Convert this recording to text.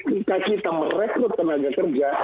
jika kita merekrut tenaga kerja